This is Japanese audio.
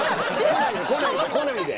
来ないで来ないで来ないで。